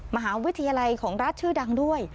มหาวิทยาลัยของรัฐชื่อดังด้วย